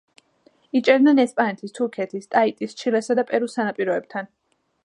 იჭერენ ესპანეთის, თურქეთის, ტაიტის, ჩილესა და პერუს სანაპიროებთან.